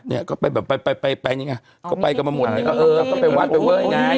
เนี่ยก็ไปแบบไปไปนี่ไงก็ไปกันมาหมดเนี่ยก็เออก็ไปวัดไปเว้ยไง